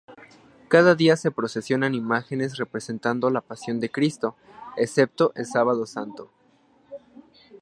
Cada día se procesionan imágenes representando la Pasión de Cristo, excepto el Sábado Santo.